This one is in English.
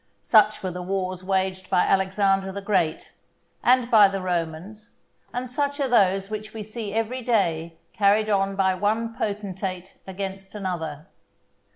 Such were the wars waged by Alexander the Great, and by the Romans, and such are those which we see every day carried on by one potentate against another.